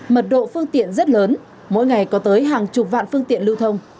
mật độ phương tiện rất lớn mỗi ngày có tới hàng chục vạn phương tiện lưu thông